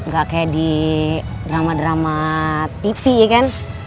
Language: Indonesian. gak kayak di drama drama tv kan